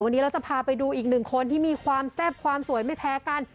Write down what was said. วันนี้เราจะพาไปดูอีกหนึ่งคนที่มีความแซ่บความสวยไม่แพ้กัน